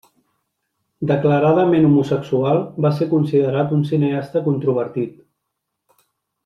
Declaradament homosexual, va ser considerat un cineasta controvertit.